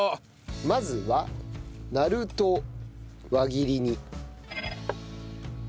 まずはなるとを輪切りに。